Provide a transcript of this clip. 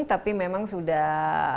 tapi memang sudah